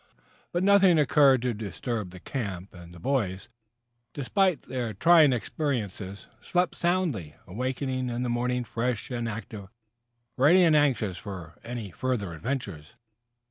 But nothing occurred to disturb the camp, and the boys, despite their trying experiences, slept soundly, awakening in the morning fresh and active, ready and anxious for any further adventures.